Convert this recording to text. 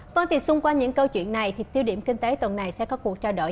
vâng thì xung quanh những câu chuyện này thì tiêu điểm kinh tế tuần này sẽ có cuộc trao đổi